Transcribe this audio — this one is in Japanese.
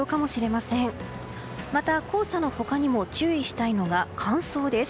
また、黄砂の他にも注意したいのが乾燥です。